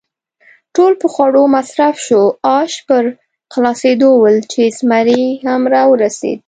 ټول په خوړو مصروف شوو، آش پر خلاصېدو ول چې زمري هم را ورسېد.